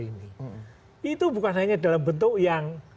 ini itu bukan hanya dalam bentuk yang